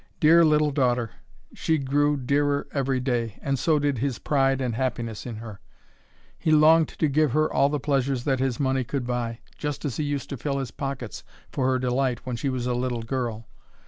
Dear little daughter! she grew dearer every day, and so did his pride and happiness in her. He longed to give her all the pleasures that his money could buy, just as he used to fill his pockets for her delight when she was a little girl.